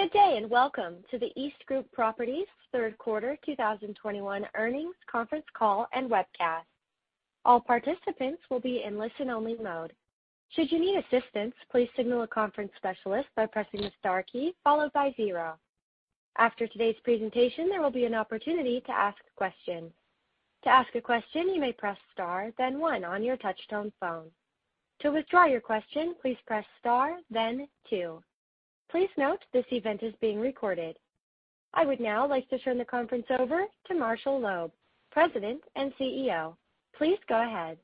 Good day, and welcome to the EastGroup Properties third quarter 2021 earnings conference call and webcast. All participants will be in listen-only mode. Should you need assistance, please signal a conference specialist by pressing the star key followed by zero. After today's presentation, there will be an opportunity to ask a question. To ask a question, you may press star, then one on your touch-tone phone. To withdraw your question, please press star, then two. Please note this event is being recorded. I would now like to turn the conference over to Marshall Loeb, President and CEO. Please go ahead.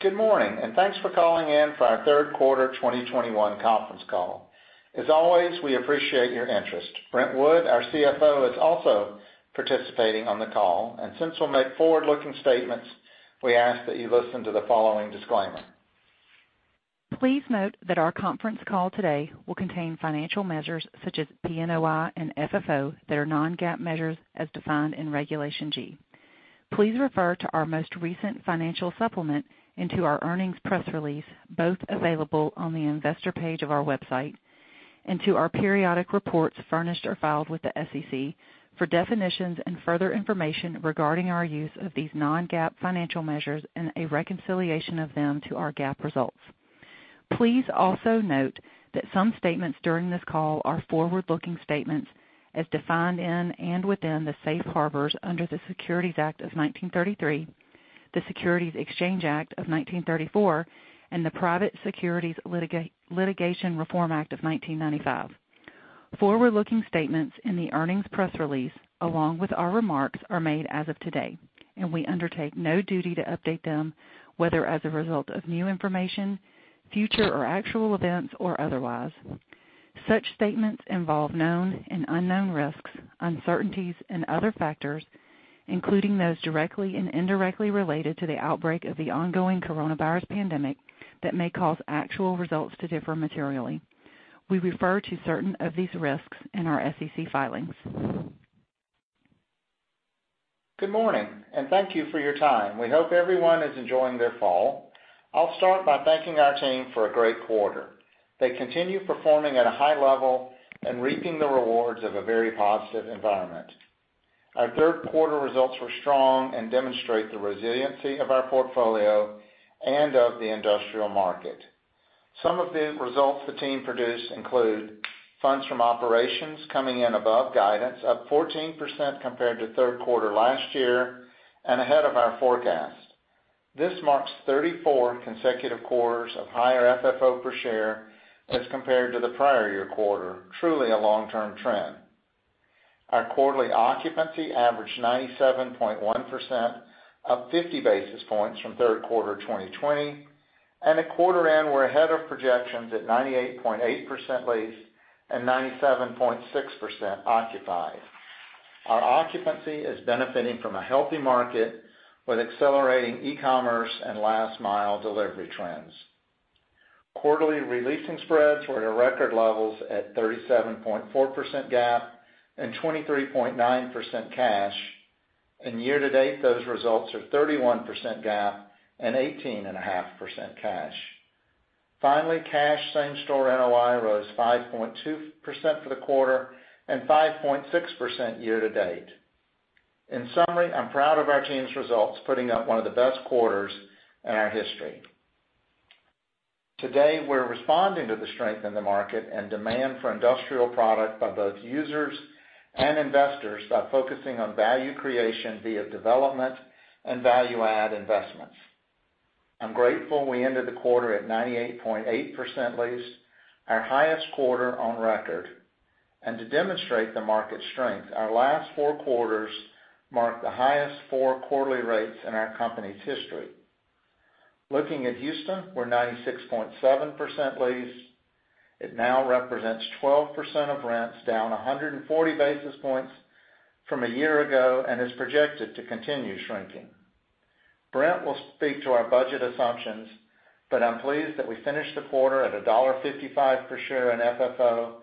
Good morning, and thanks for calling in for our third quarter 2021 conference call. As always, we appreciate your interest. Brent Wood, our CFO, is also participating on the call, and since we'll make forward-looking statements, we ask that you listen to the following disclaimer. Please note that our conference call today will contain financial measures such as PNOI and FFO that are non-GAAP measures as defined in Regulation G. Please refer to our most recent financial supplement and to our earnings press release, both available on the investor page of our website, and to our periodic reports furnished or filed with the SEC for definitions and further information regarding our use of these non-GAAP financial measures and a reconciliation of them to our GAAP results. Please also note that some statements during this call are forward-looking statements as defined in and within the safe harbors under the Securities Act of 1933, the Securities Exchange Act of 1934, and the Private Securities Litigation Reform Act of 1995. Forward-looking statements in the earnings press release, along with our remarks, are made as of today, and we undertake no duty to update them, whether as a result of new information, future or actual events, or otherwise. Such statements involve known and unknown risks, uncertainties, and other factors, including those directly and indirectly related to the outbreak of the ongoing coronavirus pandemic, that may cause actual results to differ materially. We refer to certain of these risks in our SEC filings. Good morning, and thank you for your time. We hope everyone is enjoying their fall. I'll start by thanking our team for a great quarter. They continue performing at a high level and reaping the rewards of a very positive environment. Our third quarter results were strong and demonstrate the resiliency of our portfolio and of the industrial market. Some of the results the team produced include funds from operations coming in above guidance, up 14% compared to third quarter last year, and ahead of our forecast. This marks 34 consecutive quarters of higher FFO per share as compared to the prior year quarter, truly a long-term trend. Our quarterly occupancy averaged 97.1%, up 50 basis points from third quarter 2020, and at quarter end, we're ahead of projections at 98.8% leased and 97.6% occupied. Our occupancy is benefiting from a healthy market with accelerating e-commerce and last mile delivery trends. Quarterly releasing spreads were at record levels at 37.4% GAAP and 23.9% cash. Year to date, those results are 31% GAAP and 18.5% cash. Finally, cash same-store NOI rose 5.2% for the quarter and 5.6% year to date. In summary, I'm proud of our team's results, putting up one of the best quarters in our history. Today, we're responding to the strength in the market and demand for industrial product by both users and investors by focusing on value creation via development and value add investments. I'm grateful we ended the quarter at 98.8% leased, our highest quarter on record. To demonstrate the market strength, our last four quarters marked the highest four quarterly rates in our company's history. Looking at Houston, we're 96.7% leased. It now represents 12% of rents, down 140 basis points from a year ago and is projected to continue shrinking. Brent will speak to our budget assumptions, but I'm pleased that we finished the quarter at $1.55 per share in FFO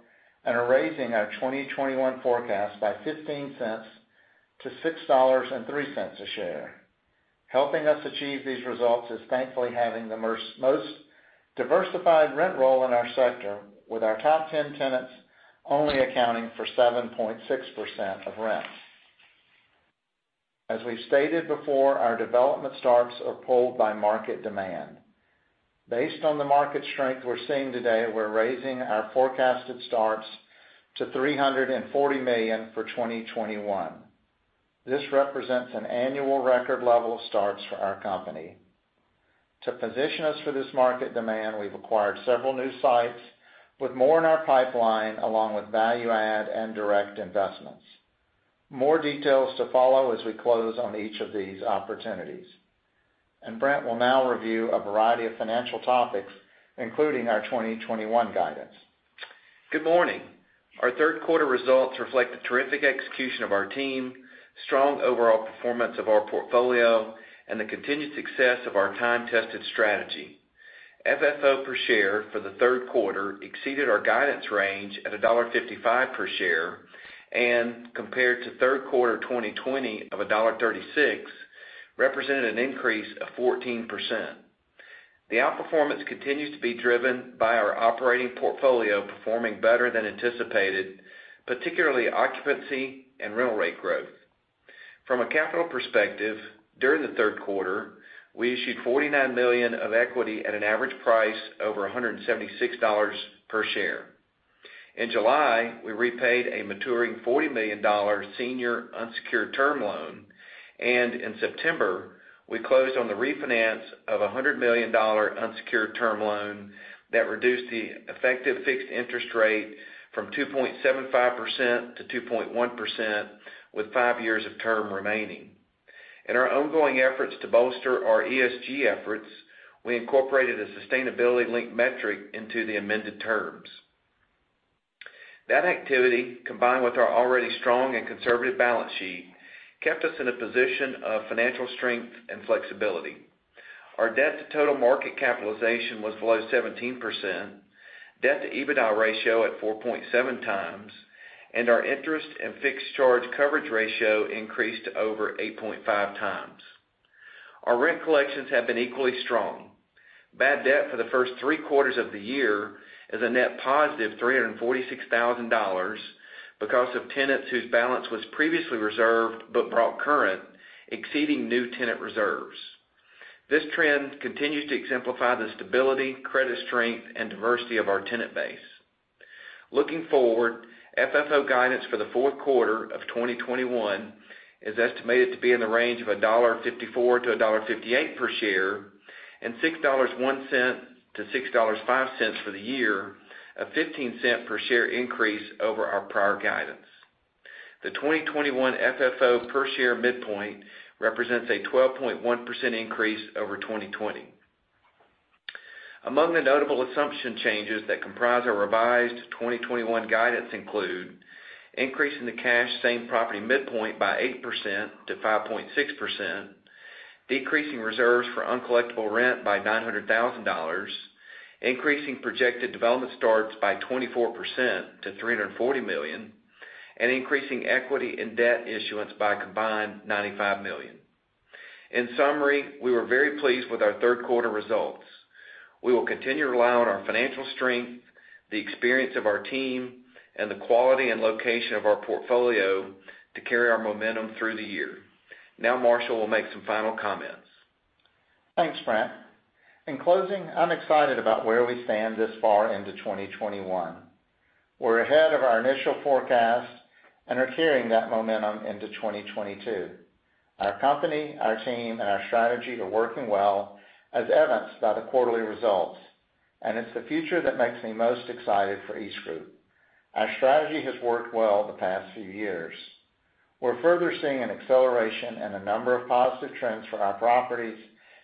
and are raising our 2021 forecast by $0.15 to $6.03 a share. Helping us achieve these results is thankfully having the most diversified rent roll in our sector, with our top ten tenants only accounting for 7.6% of rents. As we've stated before, our development starts are pulled by market demand. Based on the market strength we're seeing today, we're raising our forecasted starts to 340 million for 2021. This represents an annual record level of starts for our company. To position us for this market demand, we've acquired several new sites with more in our pipeline, along with value add and direct investments. More details to follow as we close on each of these opportunities. Brent will now review a variety of financial topics, including our 2021 guidance. Good morning. Our third quarter results reflect the terrific execution of our team, strong overall performance of our portfolio, and the continued success of our time-tested strategy. FFO per share for the third quarter exceeded our guidance range at $1.55 per share, and compared to third quarter 2020 of $1.36. Represented an increase of 14%. The outperformance continues to be driven by our operating portfolio performing better than anticipated, particularly occupancy and rental rate growth. From a capital perspective, during the third quarter, we issued $49 million of equity at an average price over $176 per share. In July, we repaid a maturing $40 million senior unsecured term loan. In September, we closed on the refinance of a $100 million unsecured term loan that reduced the effective fixed interest rate from 2.75% to 2.1% with 5 years of term remaining. In our ongoing efforts to bolster our ESG efforts, we incorporated a sustainability linked metric into the amended terms. That activity, combined with our already strong and conservative balance sheet, kept us in a position of financial strength and flexibility. Our debt to total market capitalization was below 17%, debt to EBITDA ratio at 4.7 times, and our interest and fixed charge coverage ratio increased to over 8.5 times. Our rent collections have been equally strong. Bad debt for the first three quarters of the year is a net positive $346,000 because of tenants whose balance was previously reserved but brought current, exceeding new tenant reserves. This trend continues to exemplify the stability, credit strength, and diversity of our tenant base. Looking forward, FFO guidance for the fourth quarter of 2021 is estimated to be in the range of $1.54-$1.58 per share, and $6.01-$6.05 for the year, a 15-cent per share increase over our prior guidance. The 2021 FFO per share midpoint represents a 12.1% increase over 2020. Among the notable assumption changes that comprise our revised 2021 guidance include increasing the cash same property midpoint by 8% to 5.6%, decreasing reserves for uncollectible rent by $900,000, increasing projected development starts by 24% to $340 million, and increasing equity and debt issuance by a combined $95 million. In summary, we were very pleased with our third quarter results. We will continue to rely on our financial strength, the experience of our team, and the quality and location of our portfolio to carry our momentum through the year. Now Marshall will make some final comments. Thanks, Brent. In closing, I'm excited about where we stand this far into 2021. We're ahead of our initial forecast and are carrying that momentum into 2022. Our company, our team, and our strategy are working well as evidenced by the quarterly results, and it's the future that makes me most excited for EastGroup. Our strategy has worked well the past few years. We're further seeing an acceleration and a number of positive trends for our properties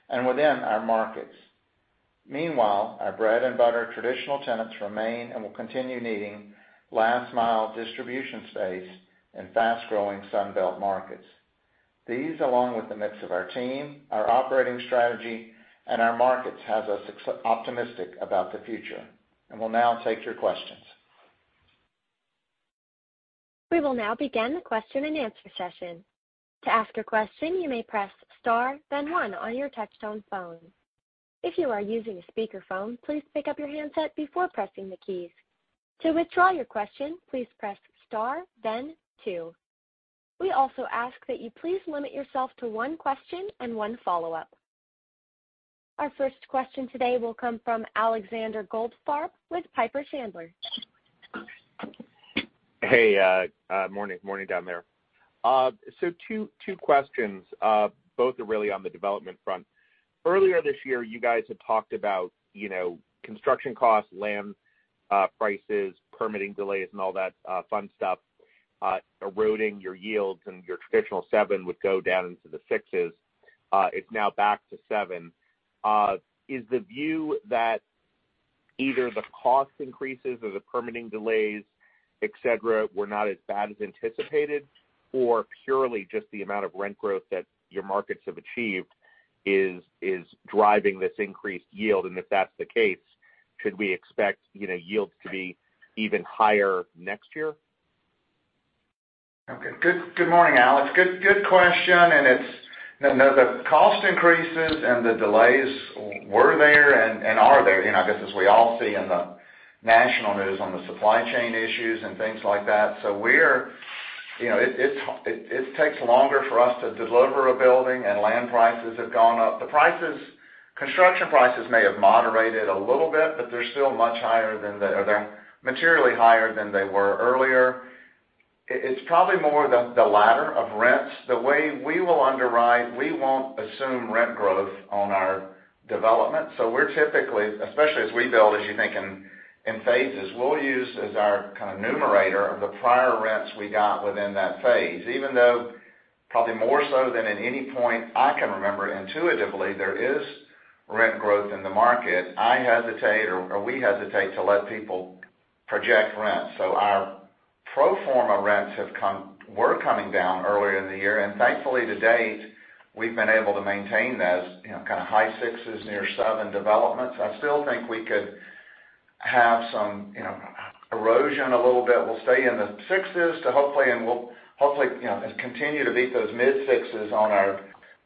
and within our markets. Meanwhile, our bread and butter traditional tenants remain and will continue needing last mile distribution space in fast-growing Sun Belt markets. These, along with the mix of our team, our operating strategy, and our markets, has us optimistic about the future. We'll now take your questions. We will now begin the question and answer session. To ask a question, you may press star then one on your touchtone phone. If you are using a speakerphone, please pick up your handset before pressing the keys. To withdraw your question, please press star then two. We also ask that you please limit yourself to one question and one follow-up. Our first question today will come from Alexander Goldfarb with Piper Sandler. Hey, morning down there, so two questions, both are really on the development front. Earlier this year, you guys had talked about construction costs, land prices, permitting delays, and all that fun stuff eroding your yields and your traditional 7 would go down into the 6s. It's now back to 7. Is the view that either the cost increases or the permitting delays, et cetera, were not as bad as anticipated, or purely just the amount of rent growth that your markets have achieved is driving this increased yield? If that's the case, should we expect yields to be even higher next year? Okay. Good morning, Alex. Good question. No, the cost increases and the delays were there and are there, as we all see in the national news on the supply chain issues and things like that. It takes longer for us to deliver a building and land prices have gone up. The construction prices may have moderated a little bit, but they're still much higher than they were earlier, or they're materially higher than they were earlier. It's probably more the latter of rents. The way we will underwrite, we won't assume rent growth on our development. We're typically, especially as we build, as you think in phases, we'll use as our kind of numerator of the prior rents we got within that phase. Even though probably more so than at any point I can remember intuitively, there is rent growth in the market. I hesitate or we hesitate to let people project rents. Our pro forma rents were coming down earlier in the year. Thankfully to date, we've been able to maintain those kind of high sixes, near seven developments. I still think we could have some erosion a little bit. We'll stay in the sixes to hopefully, and we'll hopefully continue to beat those mid-sixes on our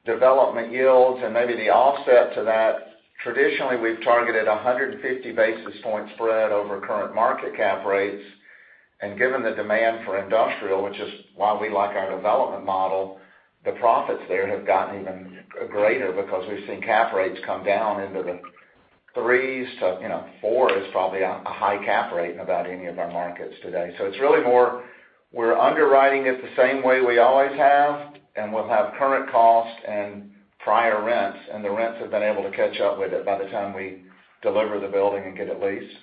development yields and maybe the offset to that. Traditionally, we've targeted 150 basis points spread over current market cap rates. Given the demand for industrial, which is why we like our development model, the profits there have gotten even greater because we've seen cap rates come down into the 3s to, you know, 4% is probably a high cap rate in about any of our markets today. It's really more we're underwriting it the same way we always have, and we'll have current costs and prior rents, and the rents have been able to catch up with it by the time we deliver the building and get it leased.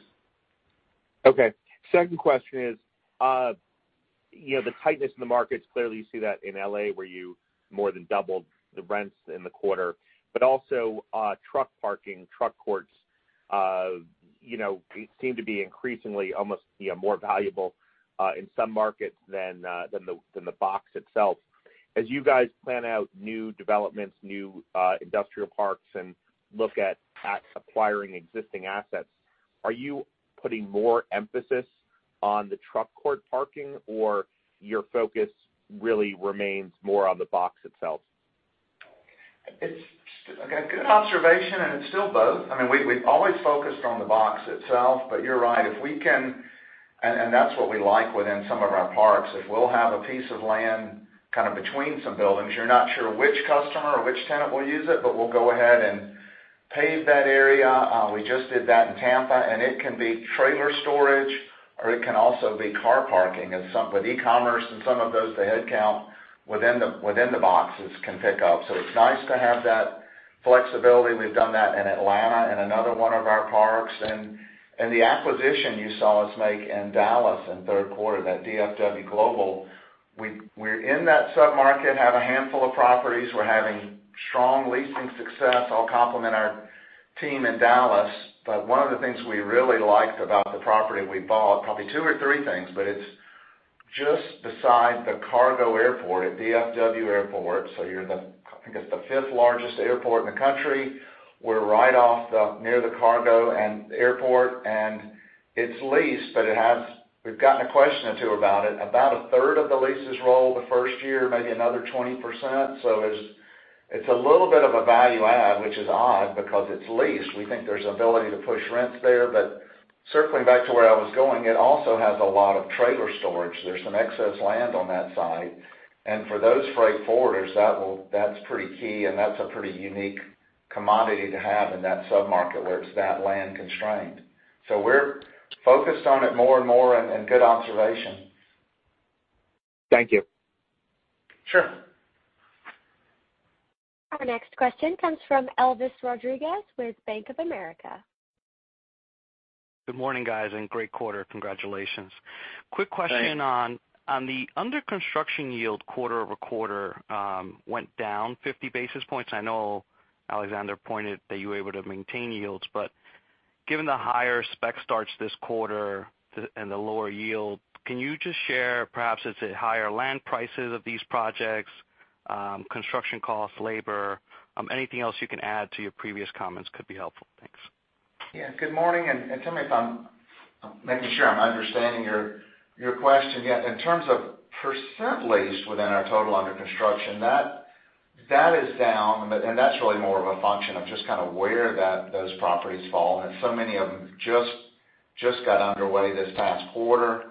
Okay. Second question is the tightness in the markets, clearly, you see that in L.A., where you more than doubled the rents in the quarter, but also, truck parking, truck courts seem to be increasingly almost more valuable in some markets than the box itself. As you guys plan out new developments, new industrial parks and look at acquiring existing assets, are you putting more emphasis on the truck court parking or your focus really remains more on the box itself? It's a good observation, and it's still both. We've always focused on the box itself, but you're right. That's what we like within some of our parks. If we'll have a piece of land kind of between some buildings, you're not sure which customer or which tenant will use it, but we'll go ahead and pave that area. We just did that in Tampa, and it can be trailer storage or it can also be car parking. With e-commerce and some of those, the headcount within the boxes can pick up. So it's nice to have that flexibility. We've done that in Atlanta in another one of our parks. The acquisition you saw us make in Dallas in third quarter, that DFW Global, we're in that sub-market, have a handful of properties. We're having strong leasing success. I'll compliment our team in Dallas. One of the things we really liked about the property we bought, probably two or three things, but it's just beside the cargo airport at DFW Airport. It's the fifth largest airport in the country. We're near the cargo airport, and it's leased. We've gotten a question or two about it. About a third of the leases roll the first year, maybe another 20%. It's a little bit of a value add, which is odd because it's leased. We think there's ability to push rents there. Circling back to where I was going, it also has a lot of trailer storage. There's some excess land on that site. For those freight forwarders, that's pretty key, and that's a pretty unique commodity to have in that sub-market where it's that land constrained. We're focused on it more and more, and good observation. Thank you. Sure. Our next question comes from Elvis Rodriguez with Bank of America. Good morning, guys, and great quarter. Congratulations. Thanks. Quick question on the under construction yield quarter-over-quarter, went down 50 basis points. I know Alexander pointed out that you were able to maintain yields, but given the higher spec starts this quarter and the lower yield, can you just share perhaps is it higher land prices of these projects, construction costs, labor, anything else you can add to your previous comments could be helpful. Thanks. Yeah. Good morning, let me make sure I'm understanding your question. Yeah, in terms of percent leased within our total under construction, that is down, but that's really more of a function of just kind of where those properties fall. Many of them just got underway this past quarter.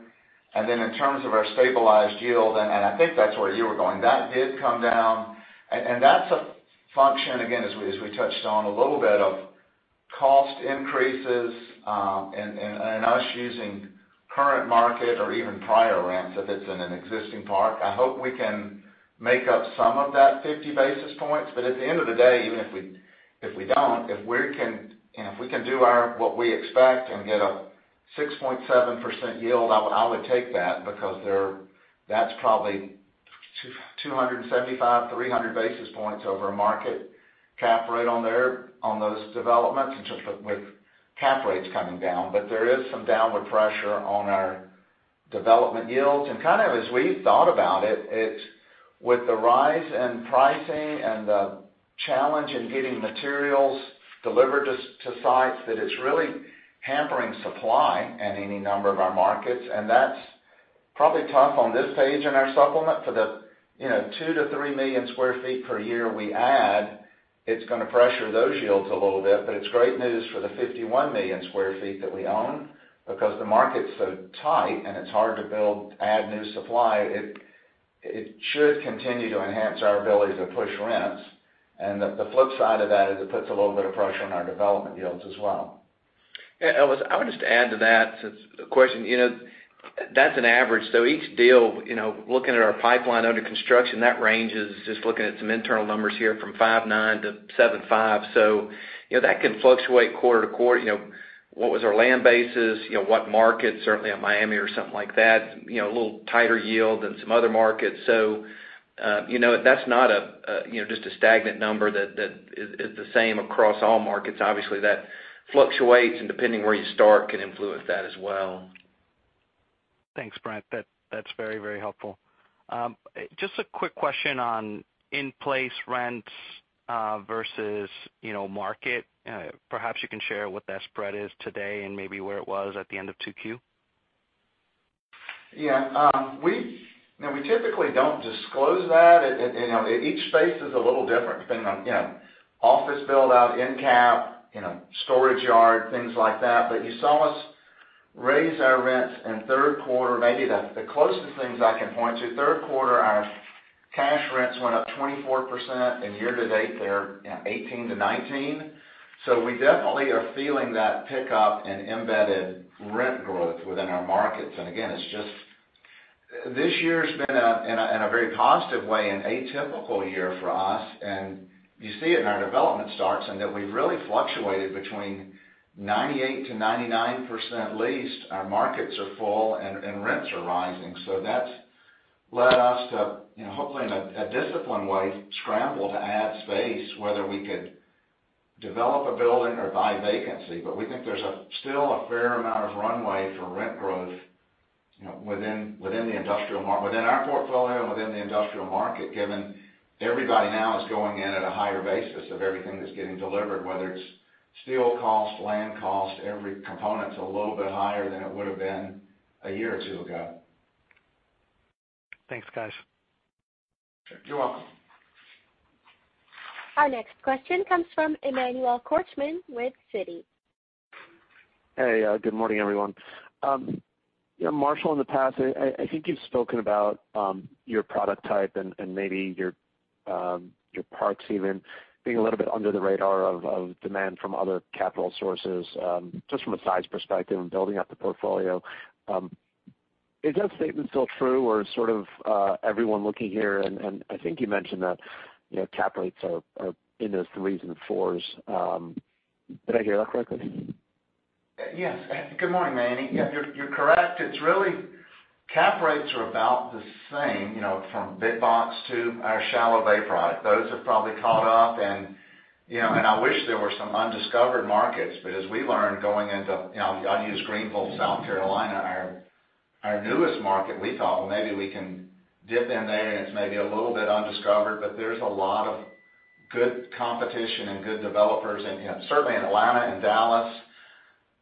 In terms of our stabilized yield, I think that's where you were going, that did come down. That's a function, again, as we touched on a little bit of cost increases and us using current market or even prior rents if it's in an existing park. I hope we can make up some of that 50 basis points. At the end of the day, even if we can do what we expect and get a 6.7% yield, I would take that because there, that's probably 275-300 basis points over market cap rate on those developments, and just with cap rates coming down. There is some downward pressure on our development yields. Kind of as we thought about it's with the rise in pricing and the challenge in getting materials delivered to sites, that it's really hampering supply in any number of our markets. That's probably tough on this page in our supplement for the 2-3 million sq ft per year we add, it's gonna pressure those yields a little bit. It's great news for the 51 million sq ft that we own because the market's so tight and it's hard to build, add new supply. It should continue to enhance our ability to push rents. The flip side of that is it puts a little bit of pressure on our development yields as well. Yeah, Elvis, I would just add to that since the question. That's an average, so each deal, you know, looking at our pipeline under construction, that range is just looking at some internal numbers here from 5.9% to 7.5% that can fluctuate quarter to quarter. What was our land bases? What markets, certainly on Miami or something like that a little tighter yield than some other markets that's not just a stagnant number that is the same across all markets. Obviously, that fluctuates and depending where you start can influence that as well. Thanks, Brent. That's very, very helpful. Just a quick question on in-place rents versus market. Perhaps you can share what that spread is today and maybe where it was at the end of 2Q. Yeah. Now, we typically don't disclose that. It each space is a little different, depending on office build-out, end cap, storage yard, things like that. You saw us raise our rents in third quarter. Maybe the closest things I can point to, third quarter, our cash rents went up 24%. Year-to-date, they're, you know, 18%-19%. We definitely are feeling that pickup in embedded rent growth within our markets. Again, it's just. This year's been in a very positive way, an atypical year for us. You see it in our development starts, in that we've really fluctuated between 98%-99% leased. Our markets are full and rents are rising. That's led us to hopefully in a disciplined way, scramble to add space, whether we could develop a building or buy vacancy. We think there's still a fair amount of runway for rent growth within our portfolio and within the industrial market, given everybody now is going in at a higher basis of everything that's getting delivered, whether it's steel cost, land cost, every component's a little bit higher than it would've been a year or two ago. Thanks, guys. You're welcome. Our next question comes from Emmanuel Korchman with Citi. Hey, good morning, everyone. Yeah, Marshall, in the past, I think you've spoken about your product type and maybe your parks even being a little bit under the radar of demand from other capital sources, just from a size perspective and building out the portfolio. Is that statement still true or sort of everyone looking here? I think you mentioned that, you know, cap rates are in those 3s and 4s. Did I hear that correctly? Yes. Good morning, Manny. Yeah, you're correct. It's really cap rates are about the same, you know, from big box to our shallow bay product. Those have probably caught up and I wish there were some undiscovered markets, but as we learned going into, you know, I use Greenville, South Carolina, our newest market, we thought, well, maybe we can dip in there, and it's maybe a little bit undiscovered. There's a lot of good competition and good developers, and certainly in Atlanta and Dallas,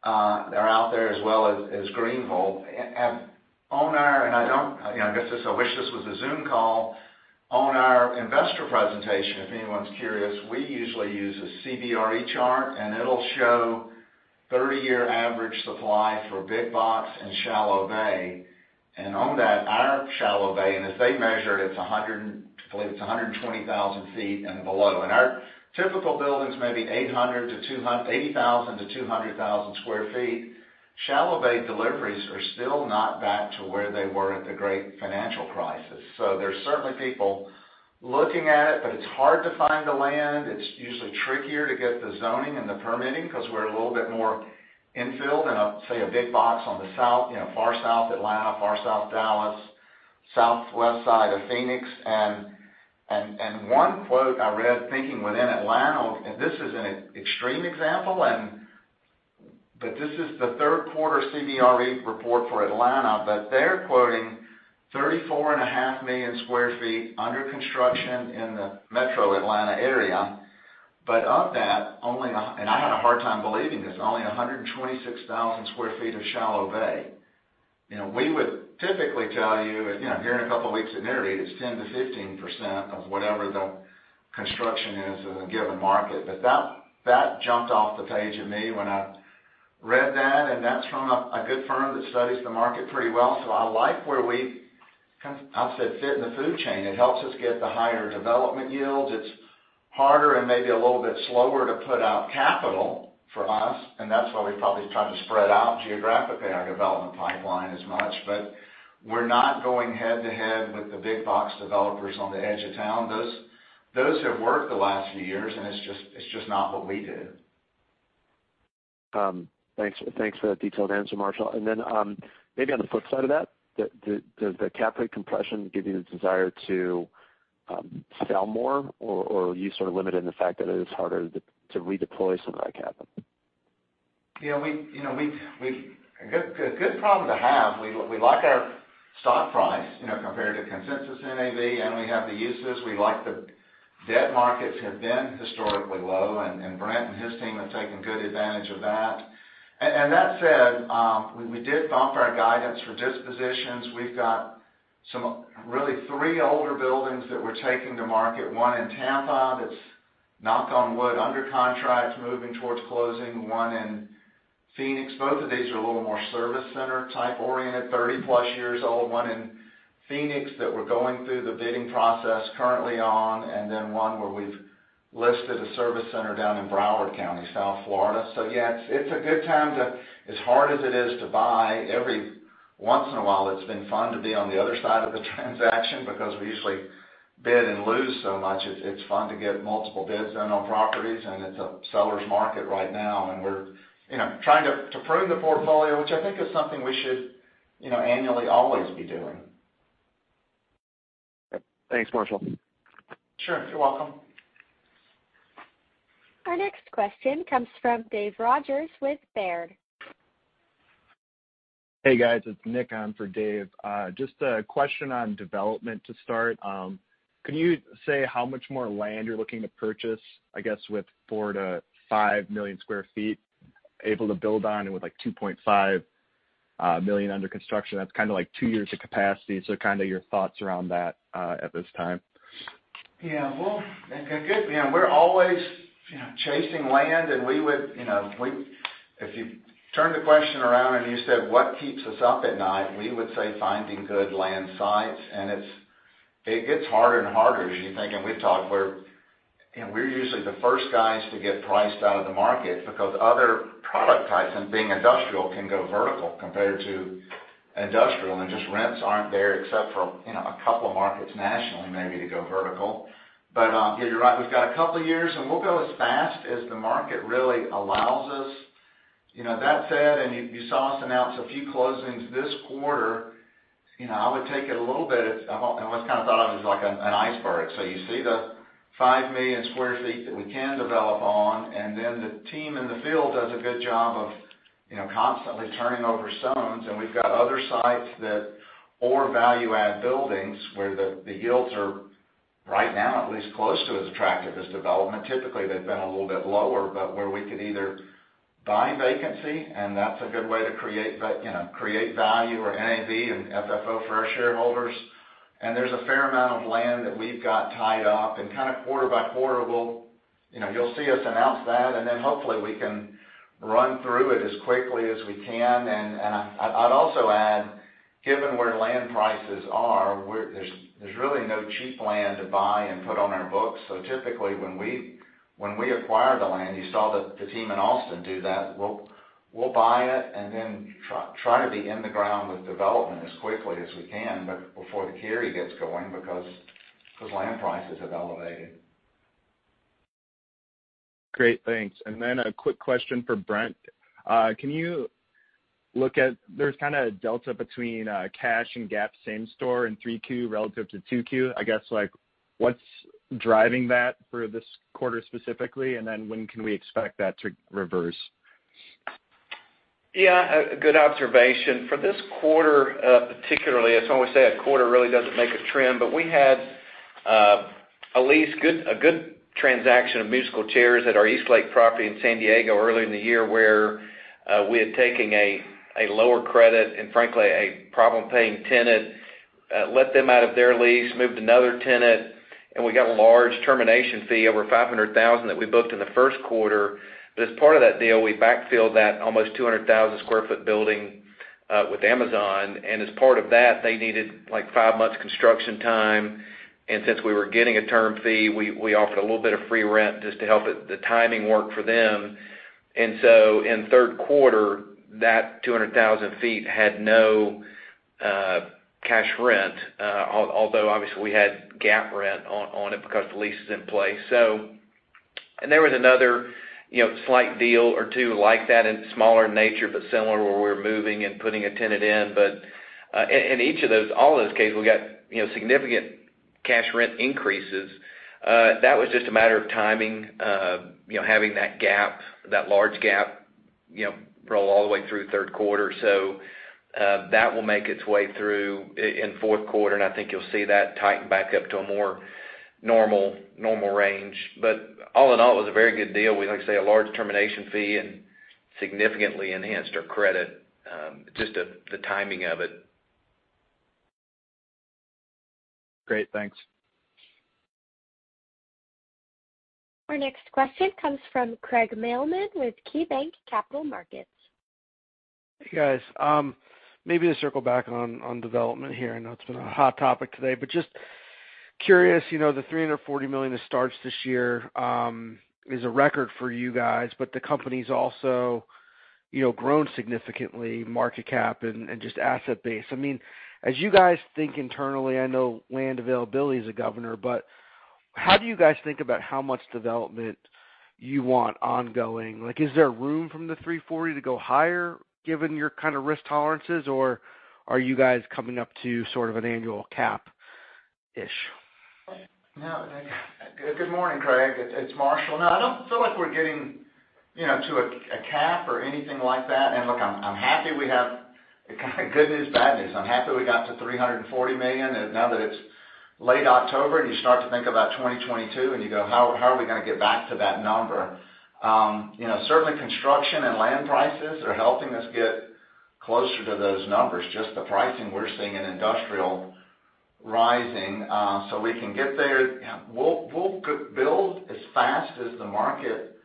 they're out there as well as Greenville. I wish this was a Zoom call. On our investor presentation, if anyone's curious, we usually use a CBRE chart, and it'll show 30-year average supply for big box and shallow bay. On that, our shallow bay, and as they measure it's 120,000 feet and below. I believe it's 120,000 feet and below. Our typical building's maybe 80,000-200,000 square feet. Shallow bay deliveries are still not back to where they were at the Great Financial Crisis. There's certainly people looking at it, but it's hard to find the land. It's usually trickier to get the zoning and the permitting 'cause we're a little bit more in-filled in a, say, a big box on the south, you know, far south Atlanta, far south Dallas, southwest side of Phoenix. One quote I read something within Atlanta, and this is an extreme example. This is the third quarter CBRE report for Atlanta, but they're quoting 34.5 million sq ft under construction in the metro Atlanta area. Of that, only 126,000 sq ft of shallow bay. We would typically tell you know, here in a couple weeks at Nareit, it's 10%-15% of whatever the construction is in a given market. That jumped off the page at me when I read that, and that's from a good firm that studies the market pretty well. I like where we kind of, I'll say, fit in the food chain. It helps us get the higher development yields. It's harder and maybe a little bit slower to put out capital for us, and that's why we probably try to spread out geographically our development pipeline as much. We're not going head-to-head with the big box developers on the edge of town. Those have worked the last few years, and it's just not what we do. Thanks for that detailed answer, Marshall. Maybe on the flip side of that, does the cap rate compression give you the desire to sell more, or are you sort of limited in the fact that it is harder to redeploy similar capital? Yeah we've a good problem to have. We like our stock price, you know, compared to consensus NAV, and we have the uses. We like the debt markets have been historically low, and Brent and his team have taken good advantage of that. That said, we did bump our guidance for dispositions. We've got some really three older buildings that we're taking to market, one in Tampa that's knock on wood under contract, moving towards closing. One in Phoenix. Both of these are a little more service center type oriented, 30+ years old. One in Phoenix that we're going through the bidding process currently on, and then one where we've listed a service center down in Broward County, South Florida. Yeah, it's a good time to As hard as it is to buy, every once in a while, it's been fun to be on the other side of the transaction because we usually bid and lose so much. It's fun to get multiple bids done on properties, and it's a seller's market right now. We're trying to prune the portfolio, which I think is something we should annually always be doing. Thanks, Marshall. Sure, you're welcome. Our next question comes from Dave Rodgers with Baird. Hey guys, it's Nick on for Dave. Just a question on development to start. Can you say how much more land you're looking to purchase, I guess, with 4-5 million sq ft able to build on and with, like, 2.5 million under construction? That's kind of like two years of capacity. Kind of your thoughts around that at this time. Yeah. Well, again, we're always chasing land, and if you turn the question around and you said, what keeps us up at night? We would say finding good land sites. It gets harder and harder, as you think, and we've talked where we're usually the first guys to get priced out of the market because other product types and being industrial can go vertical compared to industrial and just rents aren't there, except for a couple of markets nationally maybe to go vertical. Yeah, you're right. We've got a couple of years, and we'll go as fast as the market really allows us. You know, that said, you saw us announce a few closings this quarter, you know, I would take it a little bit. Almost kind of thought of as like an iceberg, so you see the 5 million sq ft that we can develop on, and then the team in the field does a good job of constantly turning over stones. We've got other sites that are value add buildings where the yields are right now, at least close to as attractive as development. Typically, they've been a little bit lower, but where we could either buy vacancy, and that's a good way to create value or NAV and FFO for our shareholders. There's a fair amount of land that we've got tied up, and kind of quarter by quarter we'll. You'll see us announce that. Then hopefully, we can run through it as quickly as we can. I'd also add, given where land prices are, where there's really no cheap land to buy and put on our books. Typically when we acquire the land, you saw the team in Austin do that. We'll buy it and then try to break ground with development as quickly as we can, but before the carry gets going because land prices have elevated. Great. Thanks. Then a quick question for Brent. There's kind of a delta between cash and GAAP same store in 3Q relative to 2Q. I guess, like, what's driving that for this quarter specifically, and then when can we expect that to reverse? Yeah. A good observation. For this quarter, particularly, as I always say, a quarter really doesn't make a trend, but we had a good transaction of musical chairs at our Eastlake property in San Diego earlier in the year, where we had taken a lower credit and frankly, a problem paying tenant, let them out of their lease, moved another tenant, and we got a large termination fee over $500,000 that we booked in the first quarter. As part of that deal, we backfilled that almost 200,000 sq ft building with Amazon. As part of that, they needed, like, 5 months construction time. Since we were getting a term fee, we offered a little bit of free rent just to help the timing work for them. In third quarter, that 200,000 sq ft had no cash rent. Although obviously we had GAAP rent on it because the lease is in place. There was another slight deal or two like that in smaller nature but similar where we were moving and putting a tenant in. And each of those, all of those cases, we got, you know, significant cash rent increases. That was just a matter of timing having that gap, that large gap roll all the way through third quarter. That will make its way through in fourth quarter, and I think you'll see that tighten back up to a more normal range. All in all, it was a very good deal. We, like I say, a large termination fee and significantly enhanced our credit, just the timing of it. Great. Thanks. Our next question comes from Craig Mailman with KeyBanc Capital Markets. Hey, guys. Maybe to circle back on development here. I know it's been a hot topic today, but just curious. The $340 million that starts this year is a record for you guys, but the company's also grown significantly market cap and just asset base. I mean, as you guys think internally, I know land availability is a governor, but how do you guys think about how much development you want ongoing? Like, is there room from the $340 to go higher given your kind of risk tolerances, or are you guys coming up to sort of an annual cap-ish? No. Good morning, Craig. It's Marshall. No, I don't feel like we're getting, you know, to a cap or anything like that. Look, I'm happy we have kind of good news, bad news. I'm happy we got to $340 million, and now that it's late October and you start to think about 2022 and you go, "How are we gonna get back to that number?" Certainly construction and land prices are helping us get closer to those numbers, just the pricing we're seeing in industrial rising, so we can get there. We'll build as fast as the market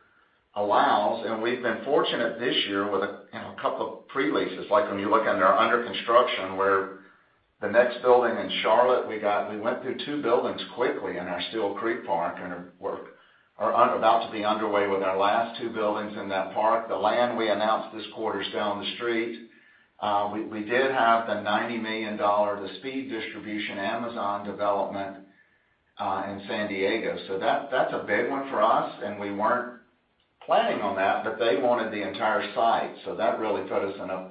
allows. We've been fortunate this year with a couple of pre-leases. Like, when you look under construction, where the next building in Charlotte, we went through two buildings quickly in our Steele Creek Park, and we're about to be underway with our last two buildings in that park. The land we announced this quarter is down the street. We did have the $90 million, the speed distribution Amazon development, in San Diego, so that's a big one for us, and we weren't planning on that, but they wanted the entire site, so that really put us in a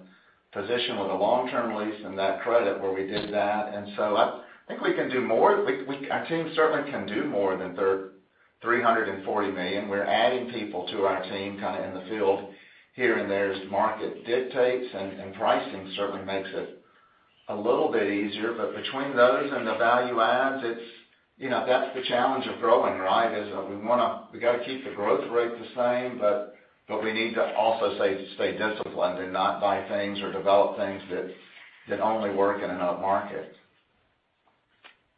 position with a long-term lease and that credit where we did that. I think we can do more. Our team certainly can do more than $340 million. We're adding people to our team kind of in the field here and there as market dictates, and pricing certainly makes it a little bit easier. Between those and the value adds, that's the challenge of growing, right? It's we gotta keep the growth rate the same, but we need to also say, stay disciplined and not buy things or develop things that only work in another market.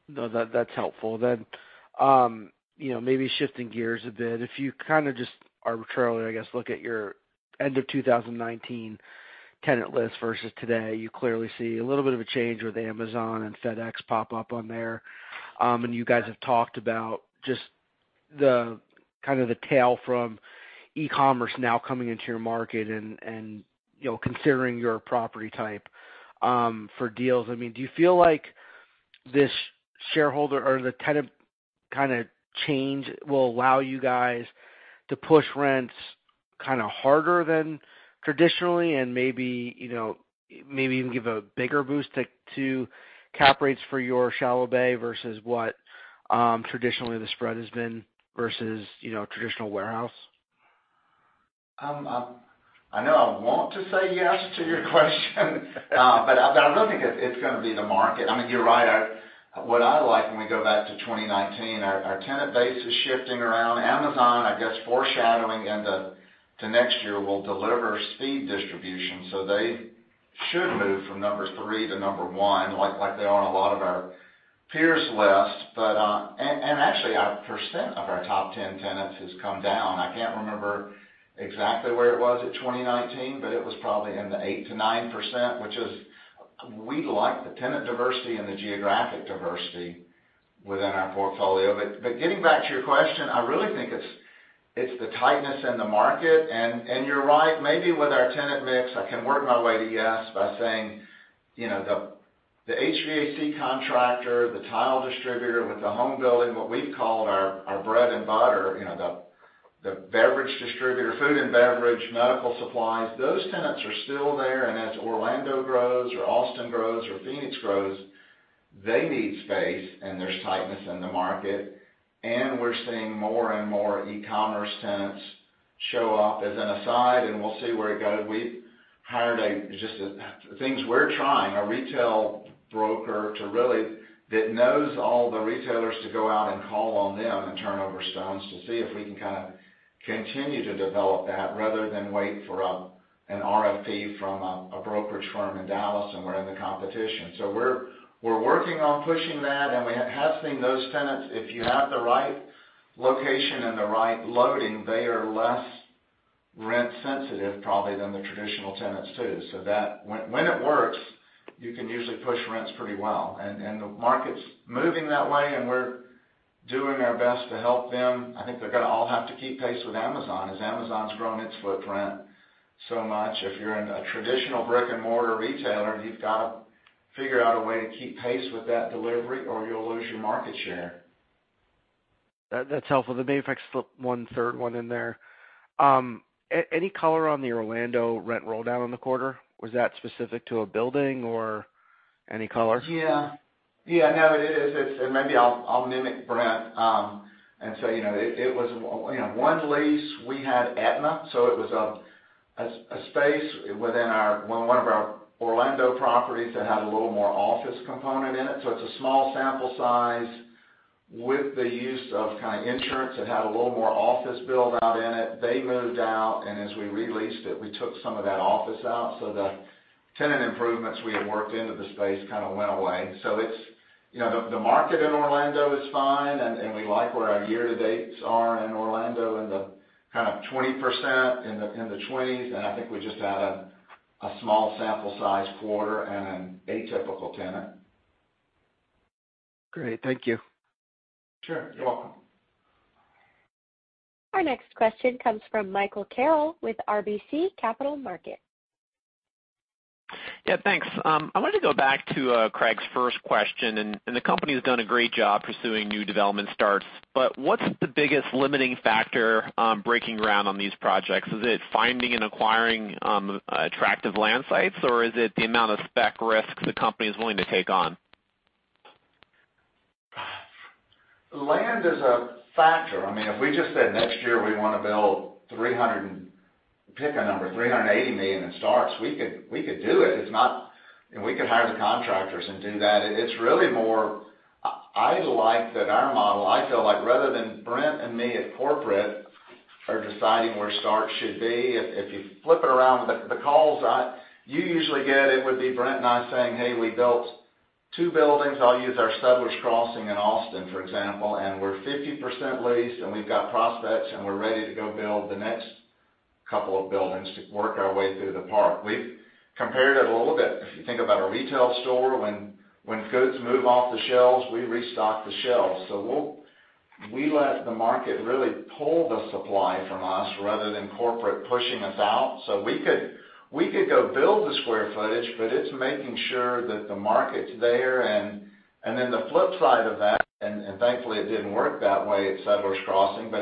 No, that's helpful. Maybe shifting gears a bit. If you kind of just arbitrarily look at your end of 2019 tenant list versus today, you clearly see a little bit of a change with Amazon and FedEx pop up on there. You guys have talked about just the tail from e-commerce now coming into your market and you know, considering your property type for deals. Do you feel like this e-commerce or the tenant kind of change will allow you guys to push rents kind of harder than traditionally and maybe even give a bigger boost to cap rates for your shallow bay versus what traditionally the spread has been versus you know, traditional warehouse? I know I want to say yes to your question, but I don't think it's gonna be the market. I mean, you're right. What I like when we go back to 2019, our tenant base is shifting around. Amazon, foreshadowing into next year, will deliver speed distribution, so they should move from number 3 to number 1, like they are on a lot of our peers' lists. Actually our percent of our top ten tenants has come down. I can't remember exactly where it was at 2019, but it was probably in the 8%-9%, which is, we like the tenant diversity and the geographic diversity within our portfolio. Getting back to your question, I really think it's the tightness in the market. You're right, maybe with our tenant mix, I can work my way to yes by saying the HVAC contractor, the tile distributor with the home building, what we've called our bread and butter, the beverage distributor, food and beverage, medical supplies, those tenants are still there. As Orlando grows or Austin grows or Phoenix grows, they need space, and there's tightness in the market, and we're seeing more and more e-commerce tenants show up as an aside, we'll see where it goes, we've hired just a things we're trying, a retail broker that knows all the retailers to go out and call on them and turn over stones to see if we can kind of continue to develop that rather than wait for an RFP from a brokerage firm in Dallas, and we're in the competition. We're working on pushing that, and we have seen those tenants. If you have the right location and the right loading, they are less rent sensitive probably than the traditional tenants too. That when it works, you can usually push rents pretty well. The market's moving that way, and we're doing our best to help them. I think they're gonna all have to keep pace with Amazon. As Amazon's grown its footprint so much, if you're in a traditional brick-and-mortar retailer, you've gotta figure out a way to keep pace with that delivery, or you'll lose your market share. That's helpful. The May effect slipped one-third one in there. Any color on the Orlando rent roll down in the quarter? Was that specific to a building or any color? Yeah. Yeah, no, it is. It's and maybe I'll mimic Brent. It was one lease we had Aetna. It was a space within our one of our Orlando properties that had a little more office component in it. It's a small sample size. With the use of kind of insurance, it had a little more office build out in it. They moved out, and as we re-leased it, we took some of that office out, so the tenant improvements we had worked into the space kind of went away. It's. The market in Orlando is fine, and we like where our year-to-dates are in Orlando in the kind of 20%, in the 20s, and we just had a small sample size quarter and an atypical tenant. Great. Thank you. Sure. You're welcome. Our next question comes from Michael Carroll with RBC Capital Markets. Yeah, thanks. I wanted to go back to Craig's first question, and the company has done a great job pursuing new development starts. What's the biggest limiting factor on breaking ground on these projects? Is it finding and acquiring attractive land sites, or is it the amount of spec risk the company is willing to take on? Land is a factor. If we just said next year we wanna build $300 and, pick a number, $380 million in starts, we could do it. It's not. We could hire the contractors and do that. It's really more. I like that our model. I feel like rather than Brent and me at corporate are deciding where starts should be, if you flip it around, the calls you usually get, it would be Brent and I saying, "Hey, we built 2 buildings." I'll use our Settlers Crossing in Austin, for example, and we're 50% leased, and we've got prospects, and we're ready to go build the next couple of buildings to work our way through the park. We've compared it a little bit. If you think about a retail store, when goods move off the shelves, we restock the shelves. We'll let the market really pull the supply from us rather than corporate pushing us out. We could go build the square footage, but it's making sure that the market's there and then the flip side of that, and thankfully it didn't work that way at Settlers Crossing, but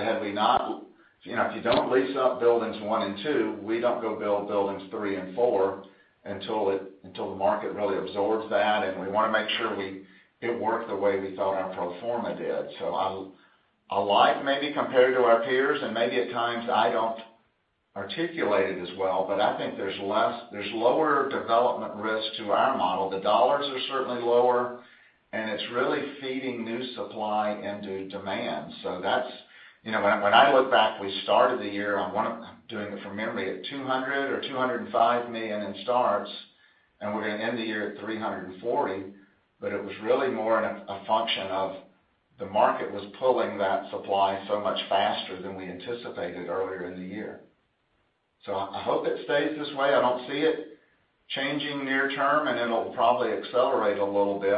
if you don't lease up buildings 1 and 2, we don't go build buildings 3 and 4 until the market really absorbs that. We want to make sure it worked the way we thought our pro forma did. I'll like maybe compare to our peers, and maybe at times I don't articulate it as well, but I think there's less—there's lower development risk to our model. The dollars are certainly lower, and it's really feeding new supply into demand. That's when I look back, we started the year at 200 or 205 million in starts, and we're gonna end the year at 340. It was really more a function of the market was pulling that supply so much faster than we anticipated earlier in the year. I hope it stays this way. I don't see it changing near term, and it'll probably accelerate a little bit.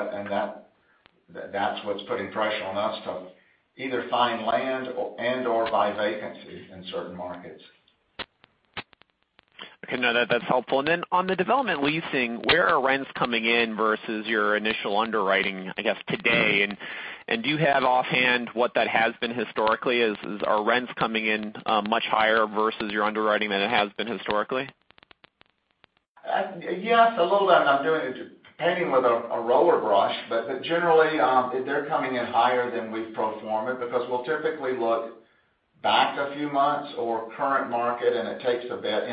That's what's putting pressure on us to either find land or and/or buy vacancy in certain markets. Okay. No, that's helpful. On the development leasing, where are rents coming in versus your initial underwriting, I guess, today? Do you have offhand what that has been historically? Are rents coming in much higher versus your underwriting than it has been historically? Yes, a little bit. I'm doing it painting with a roller brush. Generally, they're coming in higher than we pro forma it because we'll typically look back a few months or current market, and it takes a bit.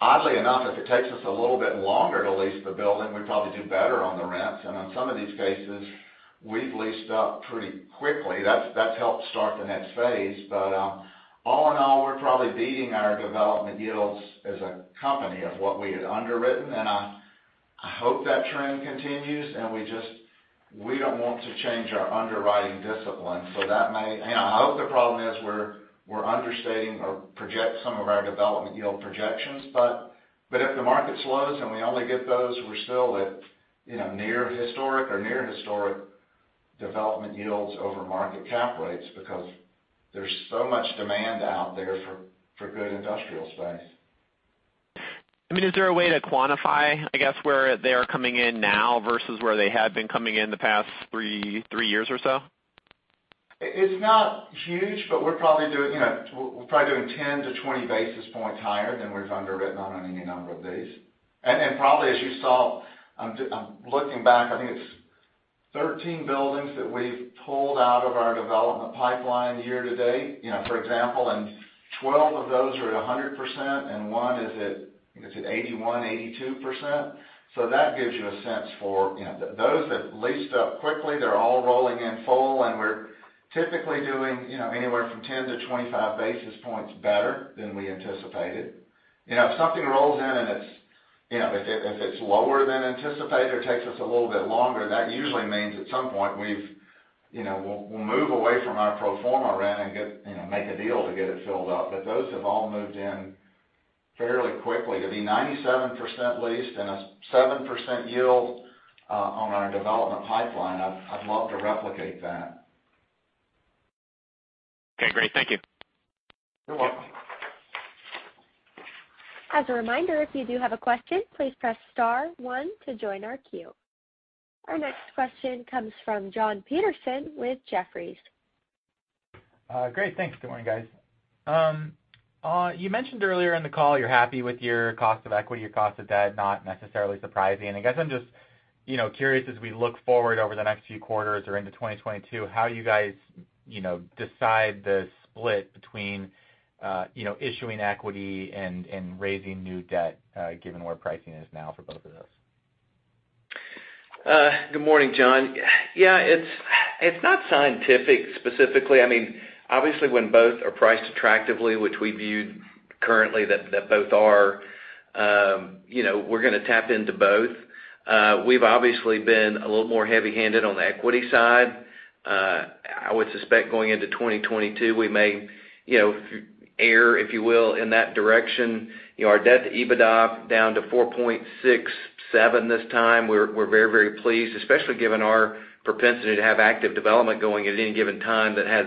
Oddly enough, if it takes us a little bit longer to lease the building, we probably do better on the rents. On some of these cases, we've leased up pretty quickly. That's helped start the next phase. All in all, we're probably beating our development yields as a company on what we had underwritten. I hope that trend continues, and we just don't want to change our underwriting discipline. You know, I hope the problem is we're understating some of our development yield projections. If the market slows and we only get those, we're still at near historic development yields over market cap rates because there's so much demand out there for good industrial space. Is there a way to quantify where they are coming in now versus where they had been coming in the past three years or so? It's not huge, but we're probably doing 10-20 basis points higher than we've underwritten on any number of these. Probably as you saw, I'm looking back, I think it's 13 buildings that we've pulled out of our development pipeline year to date, you know, for example, and 12 of those are at 100%, and one is at, I think it's at 81-82%. That gives you a sense for. Those that leased up quickly, they're all rolling in full. We're typically doing, you know, anywhere from 10-25 basis points better than we anticipated. If something rolls in and it's, you know, if it's lower than anticipated or takes us a little bit longer, that usually means at some point we've we'll move away from our pro forma rent and get to make a deal to get it filled up. Those have all moved in fairly quickly. To be 97% leased and a 7% yield on our development pipeline, I'd love to replicate that. Okay, great. Thank you. You're welcome. As a reminder, if you do have a question, please press star one to join our queue. Our next question comes from Jon Petersen with Jefferies. Great, thanks. Good morning, guys. You mentioned earlier in the call you're happy with your cost of equity, your cost of debt, not necessarily surprising. I'm just, you know, curious as we look forward over the next few quarters or into 2022, how you guys, you know, decide the split between, you know, issuing equity and raising new debt, given where pricing is now for both of those. Good morning, John. Yeah, it's not scientific specifically. I mean, obviously when both are priced attractively, which we viewed currently that we're gonna tap into both. We've obviously been a little more heavy-handed on the equity side. I would suspect going into 2022, we may err, if you will, in that direction. Our debt to EBITDA is down to 4.67 this time. We're very pleased, especially given our propensity to have active development going at any given time that has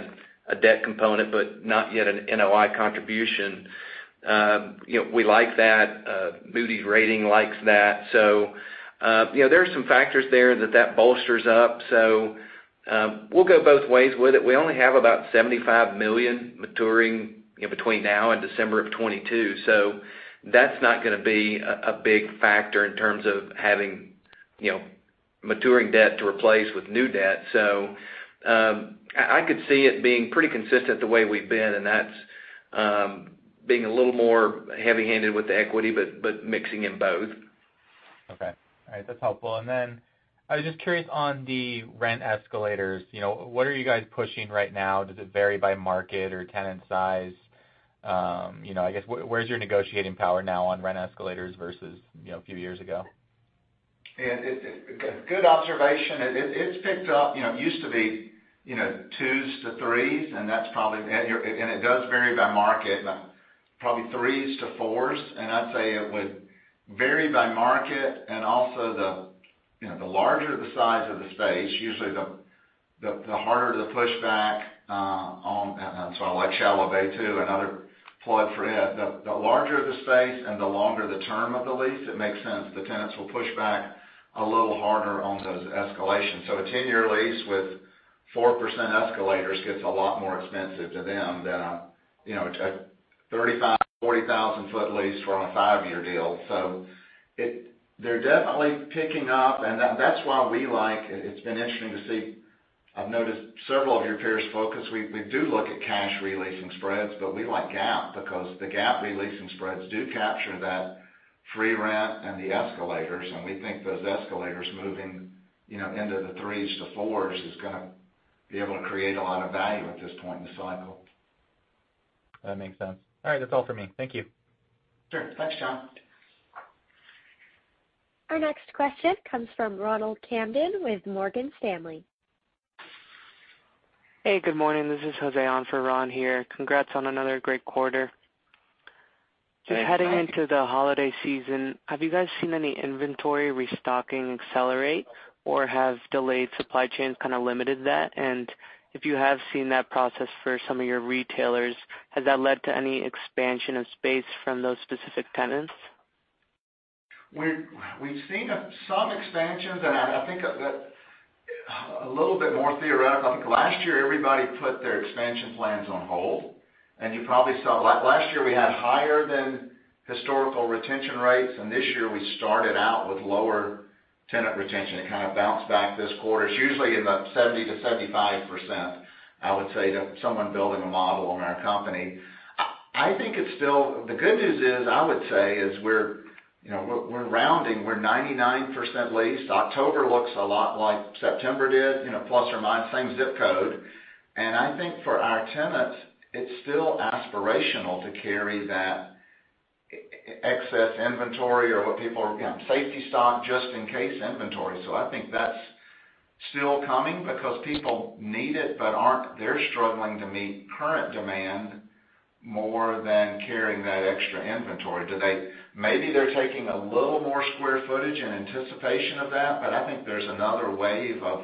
a debt component but not yet an NOI contribution. We like that. Moody's rating likes that. There are some factors there that bolsters up. We'll go both ways with it. We only have about $75 million maturing between now and December of 2022. That's not gonna be a big factor in terms of having maturing debt to replace with new debt. I could see it being pretty consistent the way we've been, and that's being a little more heavy-handed with the equity, but mixing in both. Okay. All right. That's helpful. I was just curious on the rent escalators, what are you guys pushing right now? Does it vary by market or tenant size? Where's your negotiating power now on rent escalators versu a few years ago? Good observation. It's picked up. It used to be, you know, 2%-3%, and that's probably. It does vary by market, but probably 3%-4%. I'd say it would vary by market and also the larger the size of the space, usually the harder the pushback on escalations. Like shallow bay too, another plug for it. The larger the space and the longer the term of the lease, it makes sense. The tenants will push back a little harder on those escalations. A 10-year lease with 4% escalations gets a lot more expensive to them than a you know, a 35- to 40,000-sq ft lease for a 5-year deal. They're definitely picking up, and that's why we like it. It's been interesting to see. I've noticed several of your peers focus. We do look at cash re-leasing spreads, but we like GAAP because the GAAP re-leasing spreads do capture that free rent and the escalators, and we think those escalators moving, you know, into the 3%-4% is gonna be able to create a lot of value at this point in the cycle. That makes sense. All right, that's all for me. Thank you. Sure. Thanks, Jon. Our next question comes from Ronald Kamdem with Morgan Stanley. Hey, good morning. This is Jose on for Ron here. Congrats on another great quarter. Thanks, Jose. Just heading into the holiday season, have you guys seen any inventory restocking accelerate, or have delayed supply chains kind of limited that? If you have seen that process for some of your retailers, has that led to any expansion of space from those specific tenants? We've seen some expansions and I think a little bit more theoretical. Last year, everybody put their expansion plans on hold, and you probably saw. Last year, we had higher than historical retention rates, and this year, we started out with lower tenant retention. It kind of bounced back this quarter. It's usually about 70%-75%, I would say to someone building a model on our company. I think it's still. The good news is, I would say we're rounding, we're 99% leased. October looks a lot like September did plus or minus, same zip code. I think for our tenants, it's still aspirational to carry that excess inventory or safety stock, just in case inventory. That's still coming because people need it, but they're struggling to meet current demand more than carrying that extra inventory. Maybe they're taking a little more square footage in anticipation of that, but I think there's another wave of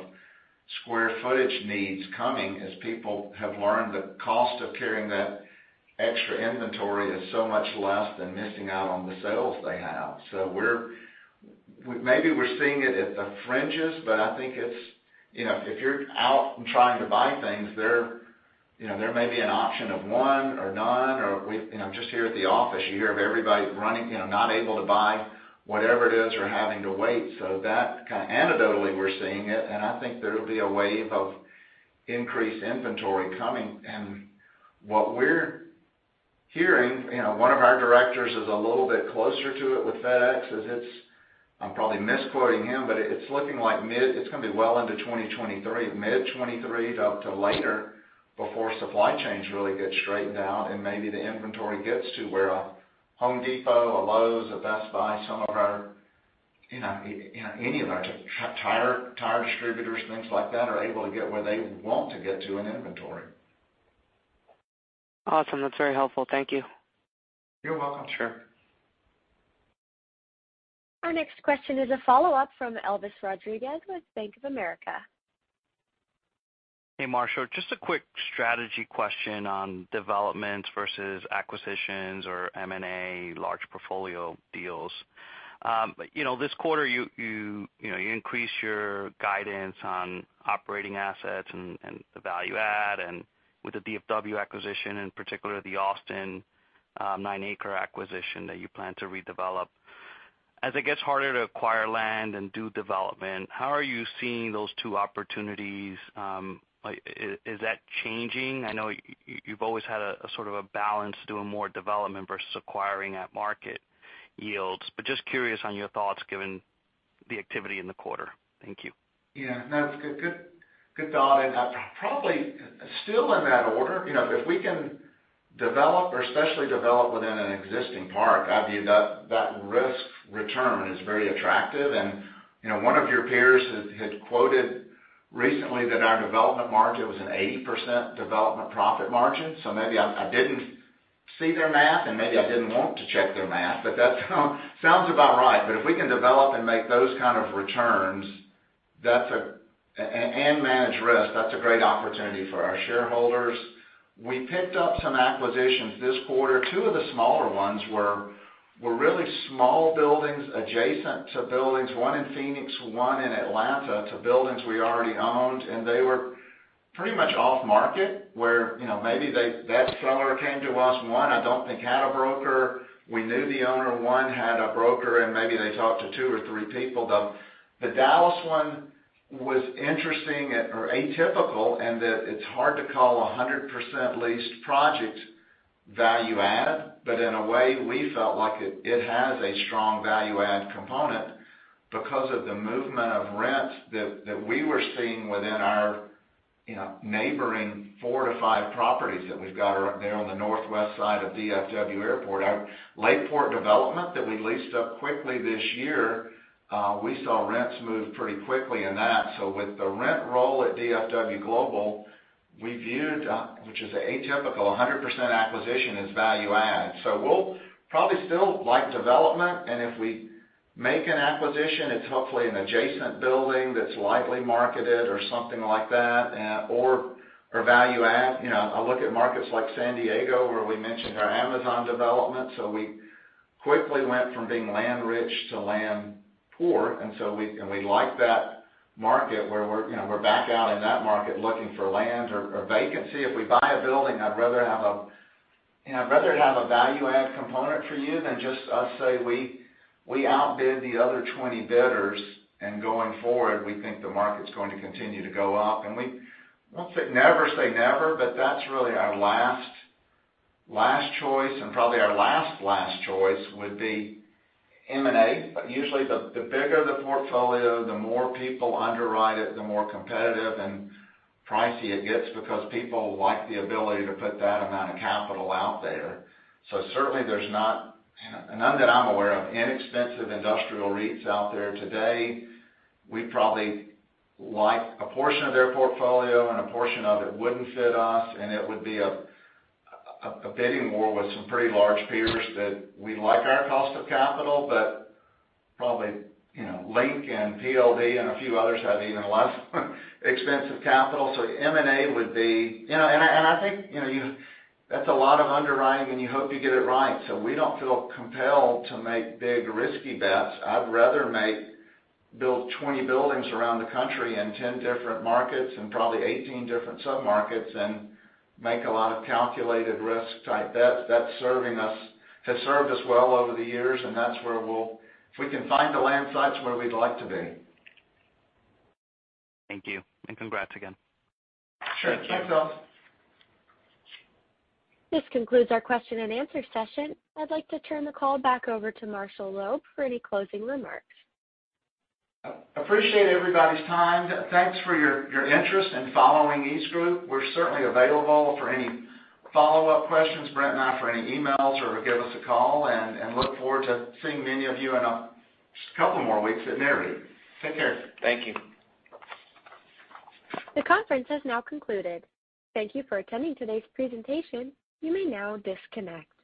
square footage needs coming as people have learned the cost of carrying that extra inventory is so much less than missing out on the sales they have. Maybe we're seeing it at the fringes, but I think it's if you're out and trying to buy things, there there may be an option of one or none, or you know, just here at the office, you hear of everybody running not able to buy whatever it is or having to wait. That kind of anecdotally, we're seeing it, and I think there'll be a wave of increased inventory coming. What we're hearing one of our directors is a little bit closer to it with FedEx, is it's. I'm probably misquoting him, but it's looking like mid- it's gonna be well into 2023, mid-2023 up to later before supply chains really get straightened out and maybe the inventory gets to where a Home Depot, a Lowe's, a Best Buy any of our tire distributors, things like that, are able to get where they want to get to in inventory. Awesome. That's very helpful. Thank you. You're welcome. Sure. Our next question is a follow-up from Elvis Rodriguez with Bank of America. Hey, Marshall. Just a quick strategy question on developments versus acquisitions or M&A large portfolio deals. This quarter, you increased your guidance on operating assets and the value add and with the DFW acquisition, in particular, the Austin, 9-acre acquisition that you plan to redevelop. As it gets harder to acquire land and do development, how are you seeing those two opportunities? Like, is that changing? I know you've always had a sort of balance doing more development versus acquiring at market yields, but just curious on your thoughts given the activity in the quarter. Thank you. Yeah. No, it's a good thought. Probably still in that order. If we can develop or especially develop within an existing park, I view that risk return is very attractive. One of your peers had quoted recently that our development margin was an 80% development profit margin. Maybe I didn't see their math and maybe I didn't want to check their math, but that sounds about right. If we can develop and make those kind of returns, and manage risk, that's a great opportunity for our shareholders. We picked up some acquisitions this quarter. Two of the smaller ones were really small buildings adjacent to buildings, one in Phoenix, one in Atlanta, to buildings we already owned, and they were pretty much off market, where that seller came to us. One, I don't think had a broker. We knew the owner. One had a broker, and maybe they talked to two or three people, though. The Dallas one was interesting or atypical in that it's hard to call a 100% leased project value-add, but in a way, we felt like it has a strong value add component because of the movement of rent that we were seeing within our, you know, neighboring four to five properties that we've got right there on the northwest side of DFW Airport. Our Lakeport development that we leased up quickly this year, we saw rents move pretty quickly in that. With the rent roll at DFW Global, we viewed, which is atypical, 100% acquisition as value add. We'll probably still like development, and if we make an acquisition, it's hopefully an adjacent building that's lightly marketed or something like that or value add. I look at markets like San Diego, where we mentioned our Amazon development, so we quickly went from being land rich to land poor. We like that market where we're, you know, we're back out in that market looking for land or vacancy. If we buy a building, I'd rather have a value add component for you than just us saying we outbid the other 20 bidders and going forward, we think the market's going to continue to go up. We won't say never say never, but that's really our last choice. Probably our last choice would be M&A. Usually the bigger the portfolio, the more people underwrite it, the more competitive and pricey it gets because people like the ability to put that amount of capital out there. Certainly there's none that I'm aware of, inexpensive industrial REITs out there today. We'd probably like a portion of their portfolio, and a portion of it wouldn't fit us, and it would be a bidding war with some pretty large peers that we like our cost of capital, but probably, you know, Link and PLD and a few others have even less expensive capital. So M&A would be. That's a lot of underwriting and you hope you get it right, so we don't feel compelled to make big, risky bets. I'd rather build 20 buildings around the country in 10 different markets and probably 18 different submarkets and make a lot of calculated risk-type bets. That's served us well over the years, and that's where we'll if we can find the land sites where we'd like to be. Thank you and congrats again. Sure. This concludes our question and answer session. I'd like to turn the call back over to Marshall Loeb for any closing remarks. Appreciate everybody's time. Thanks for your interest in following EastGroup. We're certainly available for any follow-up questions, Brent and I, for any emails or give us a call, and look forward to seeing many of you in a couple more weeks at NAREIT. Take care. Thank you. The conference has now concluded. Thank you for attending today's presentation. You may now disconnect.